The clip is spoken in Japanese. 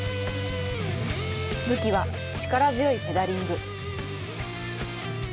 武器は力強いペダリング。